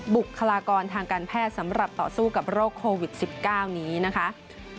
บุคลากรทางการแพทย์สำหรับต่อสู้กับโรคโควิด๑๙นี้นะคะ